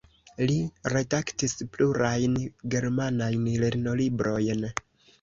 Li redaktis plurajn germanajn lernolibrojn.